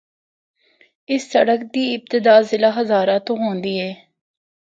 اس سڑک دی ابتدا ضلع ہزارہ تو ہوندی ہے۔